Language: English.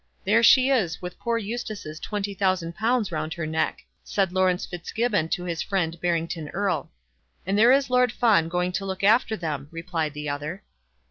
"There she is, with poor Eustace's twenty thousand pounds round her neck," said Laurence Fitzgibbon to his friend Barrington Erle. "And there is Lord Fawn going to look after them," replied the other.